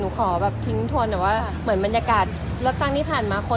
หลักเลยใช่ไหมคะหลักเลยมันเริ่มมาจาก